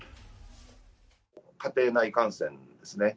家庭内感染ですね。